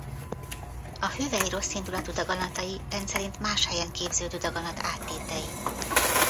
A hüvely rosszindulatú daganatai rendszerint más helyen képződő daganat áttétei.